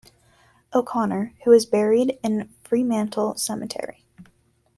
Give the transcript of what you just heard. O'Connor, who is buried in Fremantle Cemetery.